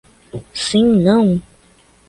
Sim não?